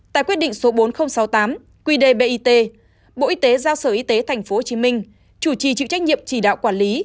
tại quyết định số bốn nghìn sáu mươi tám qdbit bộ y tế giao sở y tế tp hcm chủ trì chịu trách nhiệm chỉ đạo quản lý